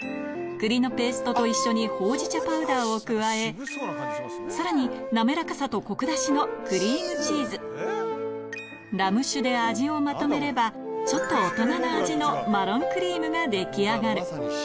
栗のペーストと一緒に焙じ茶パウダーを加えさらに滑らかさとコク出しのクリームチーズラム酒で味をまとめればちょっと大人な味のマロンクリームが出来上がるまさに進化ですよ。